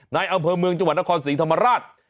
ในอำเภอเมืองจังหวัดนครศรีธรรมราช